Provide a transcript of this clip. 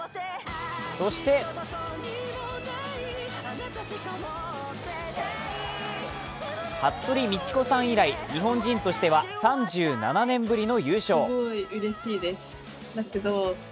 そして、服部道子さん以来、日本人としては３７年ぶりの優勝。